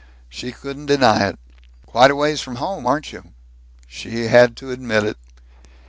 She couldn't deny it. "Quite a ways from home, aren't you?" She had to admit it.